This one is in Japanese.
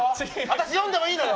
私読んでもいいのよ！